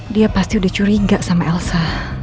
dia pasti udah curiga sama elsa